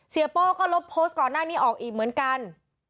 โป้ก็ลบโพสต์ก่อนหน้านี้ออกอีกเหมือนกัน